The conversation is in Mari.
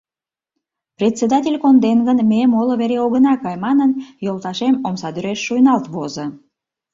Председатель конден гын, ме моло вере огына кай, — манын, йолташем омсадӱреш шуйналт возо.